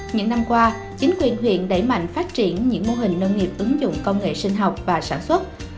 những năm qua chính quyền huyện đẩy mạnh phát triển những mô hình nông nghiệp ứng dụng công nghệ sinh học và sản xuất